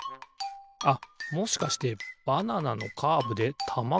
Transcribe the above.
あっもしかしてバナナのカーブでたまがターンする？